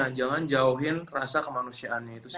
dan jangan jauhin rasa kemanusiaannya itu sih